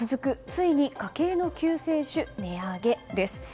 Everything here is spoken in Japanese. ついに家計の救世主値上げです。